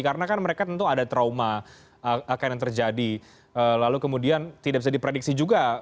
karena kan mereka tentu ada trauma akan yang terjadi lalu kemudian tidak bisa diprediksi juga